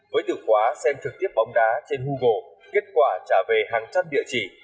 với từ khóa xem trực tiếp bóng đá trên google kết quả trả về hàng trăm địa chỉ